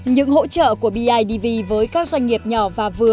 những hỗ trợ của bidv với các doanh nghiệp nhỏ và vừa